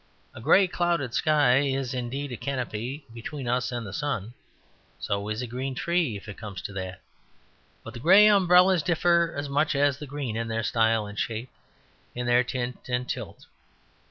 A grey clouded sky is indeed a canopy between us and the sun; so is a green tree, if it comes to that. But the grey umbrellas differ as much as the green in their style and shape, in their tint and tilt.